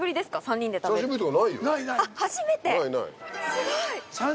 すごい。